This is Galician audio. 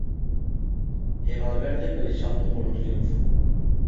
E Valverde pelexando polo triunfo.